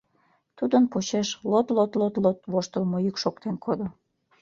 Тудын почеш лот-лот-лот воштылмо йӱк шоктен кодо.